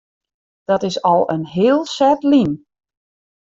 Dat is al in heel set lyn.